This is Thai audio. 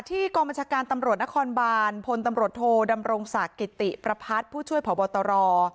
กองบัญชาการตำรวจนครบานพลตำรวจโทดำรงศักดิ์กิติประพัทธ์ผู้ช่วยผอบตร